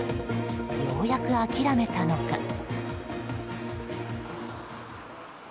ようやく諦めたのか。